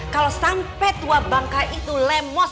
kalau sampai tua bangka itu lemos